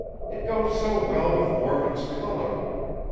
"It goes so well with Morven's color.